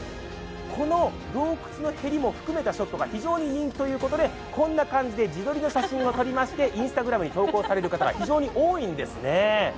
この洞窟のへりも含めたショットが非常に人気ということでこんな感じで自撮りの写真を撮りましてＩｎｓｔａｇｒａｍに投稿される方が非常に多いんですね。